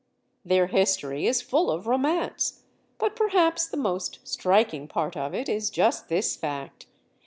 Their history is full of romance, but perhaps the most striking part of it is just this fact.